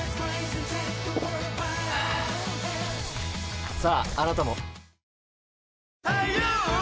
ああなたも。